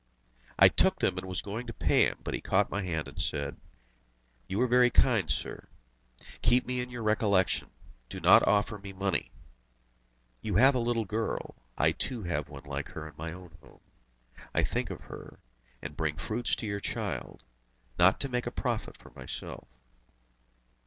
I took them and was going to pay him, but he caught my hand and said: "You are very kind, sir! Keep me in your recollection. Do not offer me money! You have a little girl, I too have one like her in my own home. I think of her, and bring fruits to your child, not to make a profit for myself."